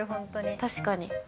確かに。